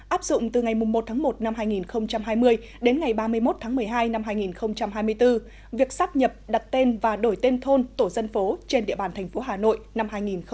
áp dụng từ ngày một một hai nghìn hai mươi đến ngày ba mươi một một mươi hai hai nghìn hai mươi bốn việc sắp nhập đặt tên và đổi tên thôn tổ dân phố trên địa bàn thành phố hà nội năm hai nghìn một mươi chín